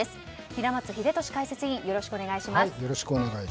平松秀敏解説委員、お願いします。